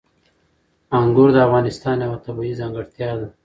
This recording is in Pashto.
انګور د افغانستان یوه طبیعي ځانګړتیا ده.